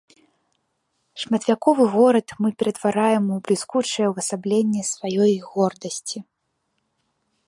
Шматвяковы горад мы ператвараем у бліскучае ўвасабленне сваёй гордасці.